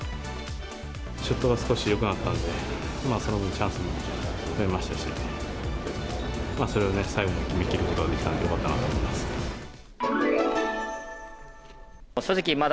ショットが少しよくなったんで、その分、チャンスも増えましたし、それを最後まで決めきることができたのがよかったなと思います。